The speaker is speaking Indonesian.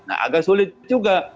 agak sulit juga